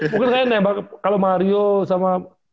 mungkin kayaknya kalau mario sama